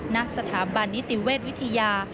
นักสถาบันนิติเวทย์วิทยา